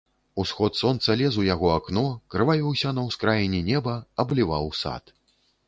Усход сонца лез у яго акно, крывавіўся на ўскраіне неба, абліваў сад.